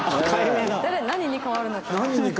誰何に変わるのか？